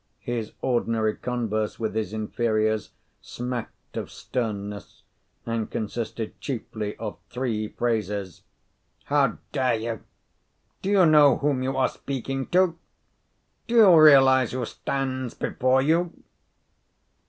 His ordinary converse with his inferiors smacked of sternness, and consisted chiefly of three phrases: "How dare you?" "Do you know whom you are speaking to?" "Do you realise who stands before you?"